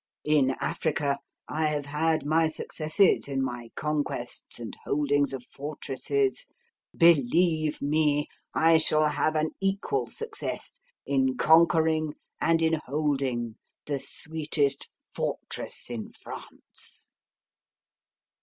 In Africa I have had my successes in my conquests and holdings of fortresses. Believe me, I shall have an equal success in conquering and in holding the sweetest fortress in France!"